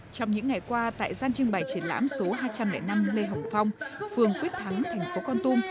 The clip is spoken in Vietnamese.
trong những ngày qua tại gian trưng bày triển lãm số hai trăm linh năm lê hồng phong phường quyết thắng thành phố con tum